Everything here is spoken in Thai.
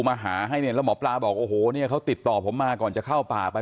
มาหาให้เนี่ยแล้วหมอปลาบอกโอ้โหเนี่ยเขาติดต่อผมมาก่อนจะเข้าป่าไป